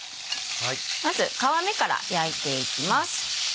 まず皮目から焼いていきます。